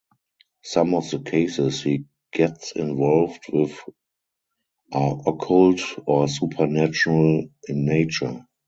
Some of the cases he gets involved with are occult or supernatural in nature.